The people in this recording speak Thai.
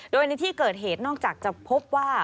โดยในที่เกิดเหตุนอกจากจะพบว่า